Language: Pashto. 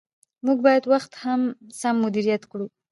موږ باید وخت سم مدیریت کړو